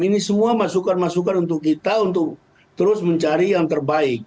ini semua masukan masukan untuk kita untuk terus mencari yang terbaik